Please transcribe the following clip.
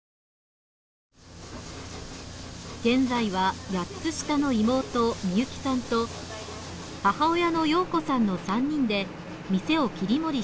現在は８つ下の妹みゆきさんと母親の容子さんの３人で店を切り盛りしています。